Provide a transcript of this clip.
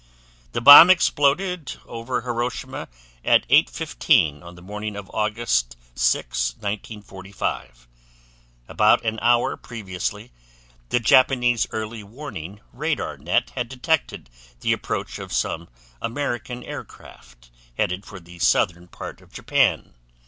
The bomb exploded over Hiroshima at 8:15 on the morning of August 6, 1945. About an hour previously, the Japanese early warning radar net had detected the approach of some American aircraft headed for the southern part of Japan.